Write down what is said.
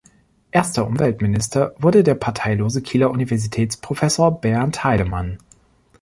Erster Umweltminister wurde der parteilose Kieler Universitätsprofessor Berndt Heydemann.